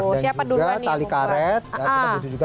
siapa duluan ya